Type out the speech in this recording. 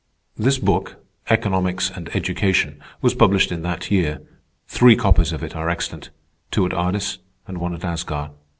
This book, "Economics and Education," was published in that year. Three copies of it are extant; two at Ardis, and one at Asgard.